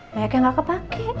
banyak yang nggak kepake